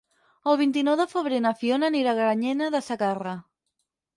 El vint-i-nou de febrer na Fiona anirà a Granyena de Segarra.